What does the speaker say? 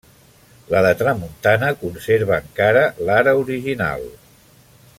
La de tramuntana conserva encara l'ara original.